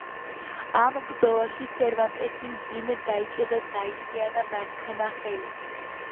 ამ ბრძოლაში სერვანტესი მძიმედ დაიჭრა და დაიზიანა მარცხენა ხელი.